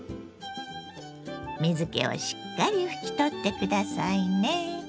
水けをしっかり拭き取って下さいね。